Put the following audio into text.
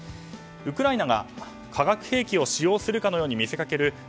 ウクライナが化学兵器を使用するかのように見せかける